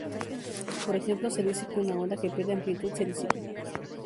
Por ejemplo, se dice que una onda que pierde amplitud se disipa.